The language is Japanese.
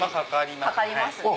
かかりますね。